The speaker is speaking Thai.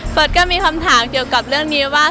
เฟิร์ตก็มีคำถามเรื่องนี้ว่า